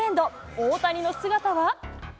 大谷の姿は？